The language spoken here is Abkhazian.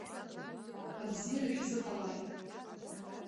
Абзиара шәзыҟалааит!